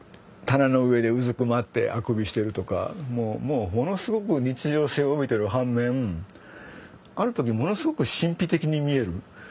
棚の上でうずくまってあくびしてるとかもうものすごく日常性を帯びてる反面ある時ものすごく神秘的に見える。